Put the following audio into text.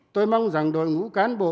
tôi mong rằng đội ngũ cán bộ